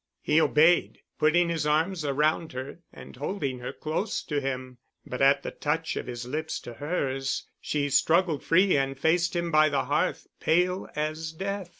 He obeyed, putting his arms around her and holding her close to him. But at the touch of his lips to hers, she struggled free and faced him by the hearth, pale as death.